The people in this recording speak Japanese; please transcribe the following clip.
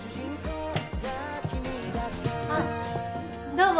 あっどうも。